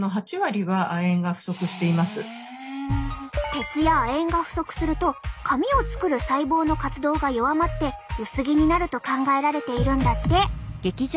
鉄や亜鉛が不足すると髪を作る細胞の活動が弱まって薄毛になると考えられているんだって。